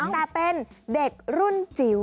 แต่เป็นเด็กรุ่นจิ๋ว